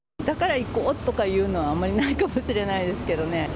だから行こうとかいうのは、あまりないかもしれないですけどね。